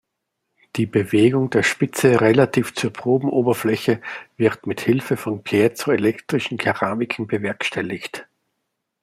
Die Bewegung der Spitze relativ zur Probenoberfläche wird mit Hilfe von piezoelektrischen Keramiken bewerkstelligt.